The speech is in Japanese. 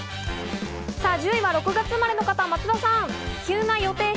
１０位は６月生まれの方、松田さん。